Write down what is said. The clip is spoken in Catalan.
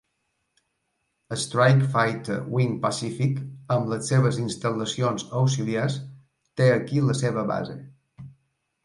Strike Fighter Wing Pacific amb les seves instal·lacions auxiliars té aquí la seva base.